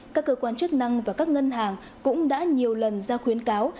các cơ quan chức năng và các ngân hàng cũng đã nhiều lần ra khuyến cáo